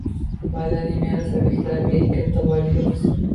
Madaniy meros ob’ektlari – eng katta boyligimiz